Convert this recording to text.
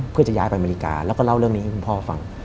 เพื่อจะย้ายไปอเมริกาแล้วก็เล่าเรื่องนี้ให้คุณพ่อฟัง